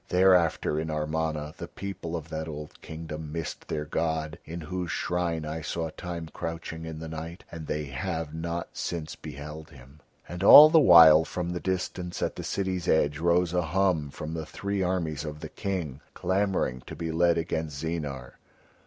Thereafter in Amarna the people of that old Kingdom missed their god, in whose shrine I saw Time crouching in the night, and they have not since beheld him." And all the while from the distance at the city's edge rose a hum from the three armies of the King clamouring to be led against Zeenar.